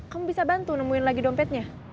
kamu bisa bantu nemuin lagi dompetnya